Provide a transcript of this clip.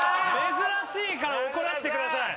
珍しいから怒らせてください。